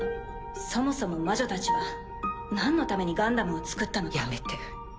そもそも魔女たちはなんのためにガンダムを造った。